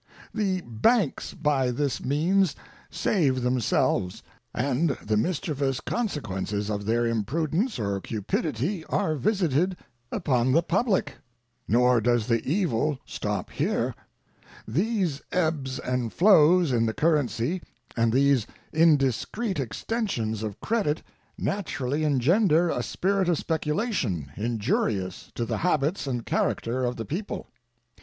The banks by this means save themselves, and the mischievous consequences of their imprudence or cupidity are visited upon the public. Nor does the evil stop here. These ebbs and flows in the currency and these indiscreet extensions of credit naturally engender a spirit of speculation injurious to the habits and character of the people.